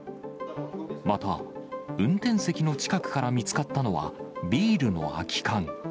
また、運転席の近くから見つかったのは、ビールの空き缶。